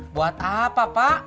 buat apa pak